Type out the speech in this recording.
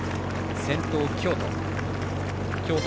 先頭、京都。